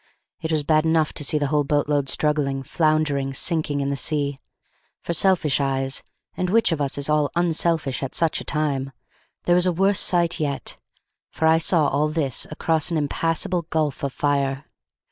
It was bad enough to see the whole boat load struggling, floundering, sinking in the sea; for selfish eyes (and which of us is all unselfish at such a time?) there was a worse sight yet; for I saw all this across an impassable gulf of fire.